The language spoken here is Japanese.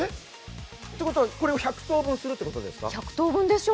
ということは、これを１００等分するってことですか。